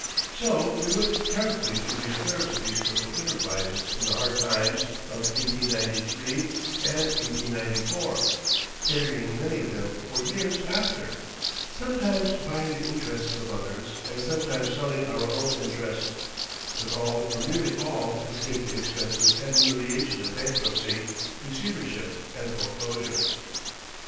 So we went carefully through the affairs of these crippled enterprises in the hard times of 1893 and 1894, carrying many of them for years after; sometimes buying the interests of others and sometimes selling our own interest, but all or nearly all escaped the expenses and humiliation of bankruptcy, receivership, and foreclosure.